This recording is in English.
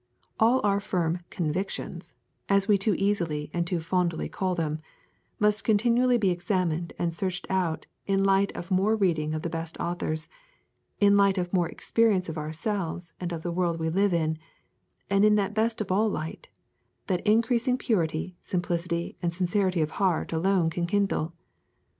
All our firm convictions, as we too easily and too fondly call them, must continually be examined and searched out in the light of more reading of the best authors, in the light of more experience of ourselves and of the world we live in, and in that best of all light, that increasing purity, simplicity, and sincerity of heart alone can kindle.